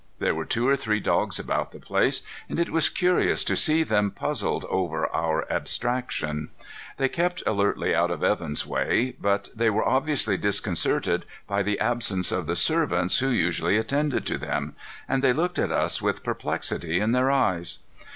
There were two or three dogs about the place, and it was curious to see them puzzled over our abstraction. They kept alertly out of Evan's way, but they were obviously disconcerted by the absence of the servants who usually attended to them, and they looked at us with perplexity in their eyes.